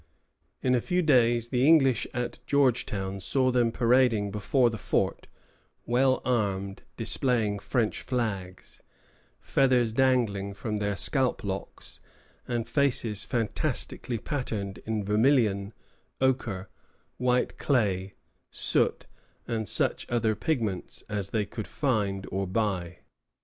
In a few days the English at Georgetown saw them parading before the fort, well armed, displaying French flags, feathers dangling from their scalp locks, and faces fantastically patterned in vermilion, ochre, white clay, soot, and such other pigments as they could find or buy.